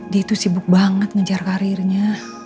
dia itu sibuk banget ngejar karirnya